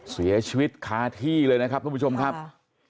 เสียชีวิตคาที่เลยนะครับทุกผู้ชมครับ